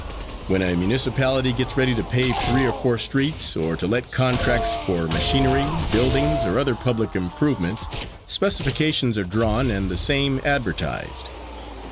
When a municipality gets ready to pave three or four streets, or to let contracts for machinery, buildings or other public improvements, specifications are drawn and the same advertised.